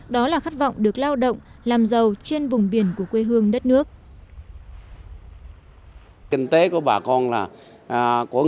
đó là khát vọng được lao động làm giàu trên vùng biển của quê hương đất nước